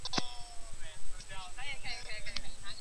他们察觉弗雷德表现不自然。